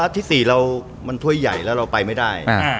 ที่๔เรามันถ้วยใหญ่แล้วเราไปไม่ได้